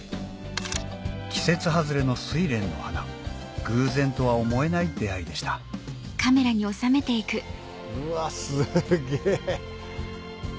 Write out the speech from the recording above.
季節外れのスイレンの花偶然とは思えない出会いでしたうわっすっげぇ。